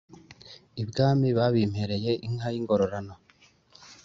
Ibwami babimpereye inka y'ingororano